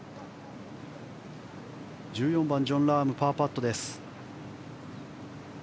１４番、ジョン・ラームのパーパット。